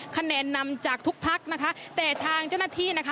คะแนนนำจากทุกพักนะคะแต่ทางเจ้าหน้าที่นะคะ